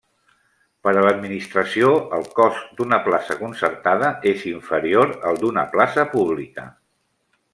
Per a l'administració el cost d'una plaça concertada és inferior al d'una plaça pública.